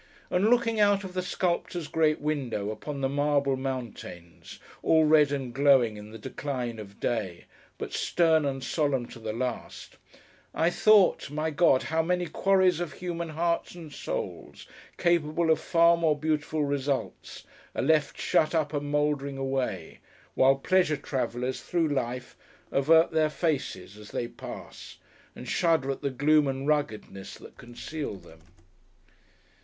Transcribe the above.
And, looking out of the sculptor's great window, upon the marble mountains, all red and glowing in the decline of day, but stern and solemn to the last, I thought, my God! how many quarries of human hearts and souls, capable of far more beautiful results, are left shut up and mouldering away: while pleasure travellers through life, avert their faces, as they pass, and shudder at the gloom and ruggedness that conceal them!